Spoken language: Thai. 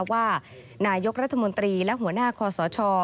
ว่านายกรัฐมนตรีและหัวหน้าคอสช